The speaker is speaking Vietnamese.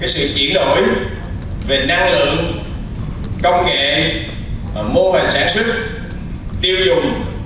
sự chuyển đổi về năng lượng công nghệ mô hình sản xuất tiêu dùng